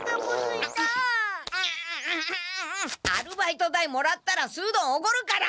アルバイト代もらったらすうどんおごるから！